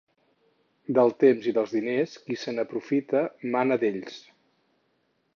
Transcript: Del temps i dels diners, qui se n'aprofita mana d'ells.